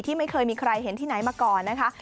ไม่เคยมีใครเห็นที่ไหนมาก่อนนะคะ